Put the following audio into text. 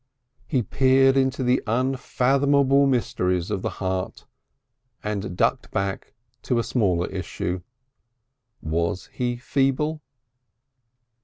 He peered into the unfathomable mysteries of the heart, and ducked back to a smaller issue. Was he feeble?